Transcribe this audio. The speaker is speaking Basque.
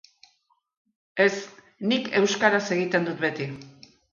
Ez, nik euskaraz egiten dut beti.